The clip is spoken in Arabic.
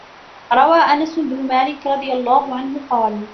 رَوَى أَنَسُ بْنُ مَالِكٍ رَضِيَ اللَّهُ عَنْهُ قَالَ